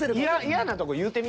嫌なとこ言うてみ。